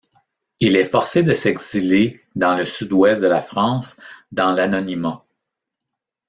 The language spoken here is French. Il est forcé de s'exiler dans le sud-ouest de la France dans l'anonymat.